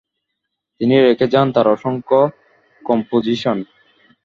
তিনি রেখে যান তার অসংখ্য কম্পোজিশন।